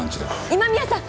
今宮さん！